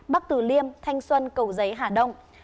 bắc tử liêm thanh xuân cầu giấy hà đông